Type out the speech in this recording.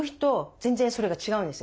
全然それが違うんですよ。